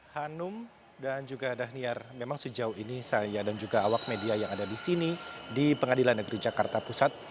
hanum dan juga dhaniar memang sejauh ini saya dan juga awak media yang ada di sini di pengadilan negeri jakarta pusat